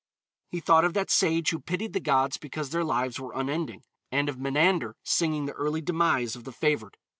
He thought of that sage who pitied the gods because their lives were unending, and of Menander singing the early demise of the favored.